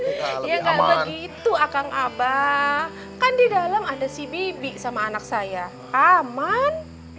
ya gak begitu akang abah kan didalam ada si bibi sama anak saya aman